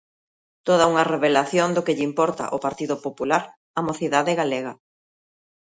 Toda unha revelación do que lle importa ao Partido Popular a mocidade galega.